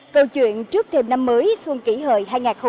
câu chuyện trước thêm năm mới xuân kỷ hợi hai nghìn một mươi chín